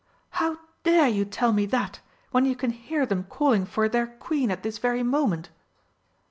"How dare you tell me that, when you can hear them calling for 'their Queen' at this very moment!"